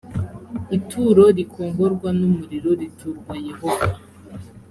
ituro rikongorwa n umuriro riturwa yehova